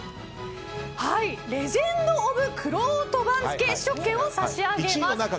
レジェンド・オブ・くろうと番付試食券を差し上げます。